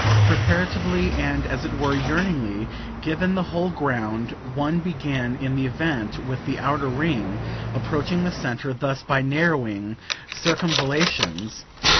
Preparatively and, as it were, yearningly given the whole ground one began, in the event, with the outer ring, approaching the centre thus by narrowing circumvallations.